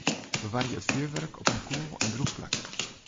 Bewarje it fjurwurk op in koel en drûch plak.